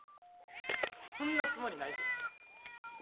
そんなつもりないけど。